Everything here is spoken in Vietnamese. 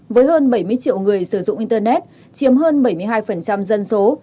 với hơn bảy mươi triệu người sử dụng internet chiếm hơn bảy mươi hai dân số